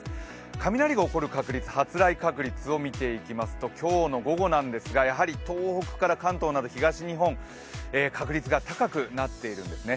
雷が起こる確率、発雷確率を見ていきますと今日の午後ですが、やはり東北から関東など東日本、確率が高くなっているんですね。